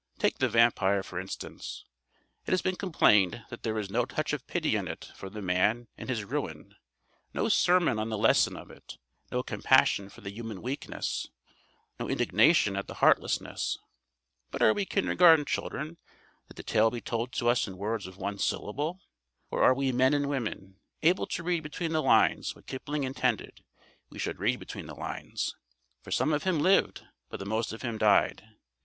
Take The Vampire, for instance. It has been complained that there is no touch of pity in it for the man and his ruin, no sermon on the lesson of it, no compassion for the human weakness, no indignation at the heartlessness. But are we kindergarten children that the tale be told to us in words of one syllable? Or are we men and women, able to read between the lines what Kipling intended we should read between the lines? "For some of him lived, but the most of him died."